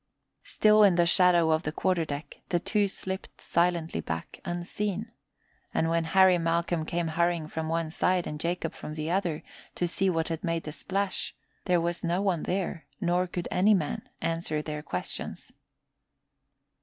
Still in the shadow of the quarter deck, the two slipped silently back, unseen, and when Harry Malcolm came hurrying from one side, and Jacob from the other, to see what had made the splash, there was no one there nor could any man answer their questions.